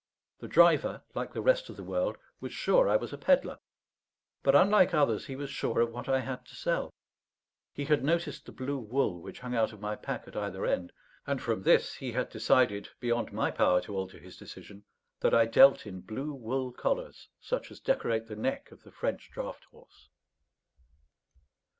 The driver, like the rest of the world, was sure I was a pedlar; but, unlike others, he was sure of what I had to sell. He had noticed the blue wool which hung out of my pack at either end; and from this he had decided, beyond my power to alter his decision, that I dealt in blue wool collars, such as decorate the neck of the French draught horse.